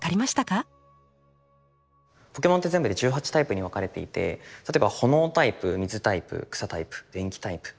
ポケモンって全部で１８タイプに分かれていて例えばほのおタイプみずタイプくさタイプでんきタイプとか。